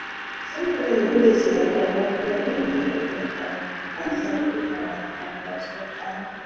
gukurikiza gahunda bemereye abanyarwanda mu matangazo batanga